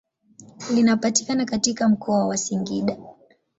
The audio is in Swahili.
Linapatikana katika mkoa wa Singida.